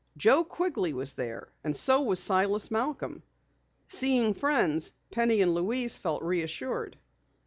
Joe Quigley was there and so was Silas Malcom. Seeing friends, Penny and Louise felt reassured.